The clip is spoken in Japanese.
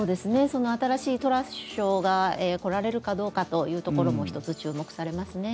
その新しいトラス首相が来られるかどうかというところも１つ注目されますね。